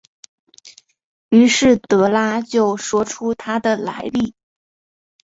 于是德拉就说出他的来历。